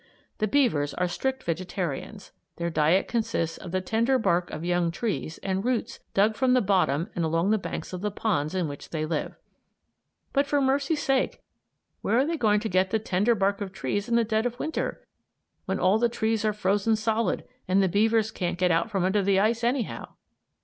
The beavers are strict vegetarians. Their diet consists of the tender bark of young trees and roots dug from the bottom and along the banks of the ponds in which they live. "But, for mercy's sake, where are they going to get the tender bark of trees in the dead of Winter, when all the trees are frozen solid and the beavers can't get from under the ice anyhow?"